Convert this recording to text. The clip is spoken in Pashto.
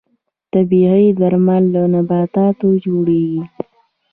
طبیعي درمل له نباتاتو جوړیږي